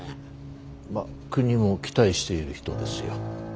まあ国も期待している人ですよ。